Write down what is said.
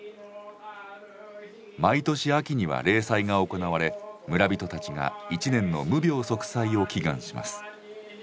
毎年秋には例祭が行われ村人たちが１年の無病息災を祈願します。